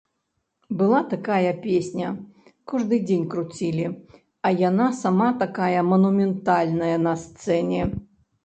Была такая песня, кожны дзень круцілі, а яна сама такая манументальная на сцэне.